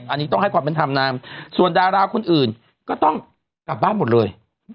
อันนี้ต้องให้ความเป็นธรรมนางส่วนดาราคนอื่นก็ต้องกลับบ้านหมดเลย